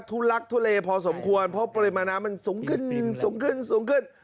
ทุลักทุเลพอสมควรเพราะปริมาณน้ำมันสูงขึ้นสูงขึ้นสูงขึ้น